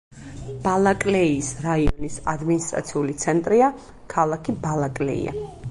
ბალაკლეიის რაიონის ადმინისტრაციული ცენტრია ქალაქი ბალაკლეია.